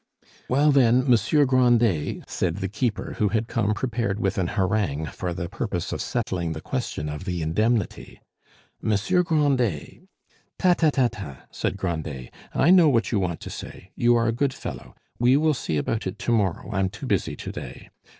"Well, then, Monsieur Grandet," said the keeper, who had come prepared with an harangue for the purpose of settling the question of the indemnity, "Monsieur Grandet " "Ta, ta, ta, ta!" said Grandet; "I know what you want to say. You are a good fellow; we will see about it to morrow, I'm too busy to day.